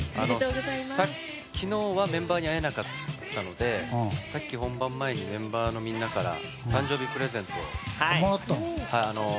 昨日はメンバーに会えなかったのでさっき本番前にメンバーのみんなから誕生日プレゼントを。